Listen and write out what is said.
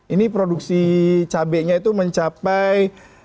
ini produksi cabainya itu mencapai empat belas lima puluh empat